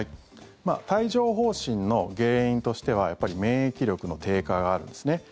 帯状疱疹の原因としてはやっぱり免疫力の低下があるんですね。